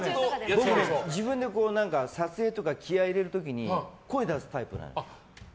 僕、自分で撮影とか気合を入れる時に声を出すタイプなのよ。